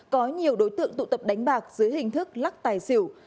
có nhiều đối tượng tụ tập đánh bạc dưới hình thức lắc tài xỉu